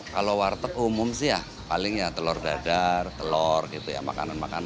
kalau warteg umum sih ya paling ya telur dadar telur gitu ya makanan makanan